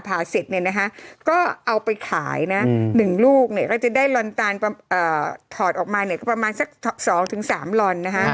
ผ่าเสร็จก็เอาไปขาย๑ลูกก็จะได้ลอนตาลถอดออกมาประมาณ๒๓ลอน